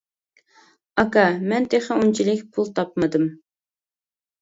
-ئاكا، مەن تېخى ئۇنچىلىك پۇل تاپمىدىم.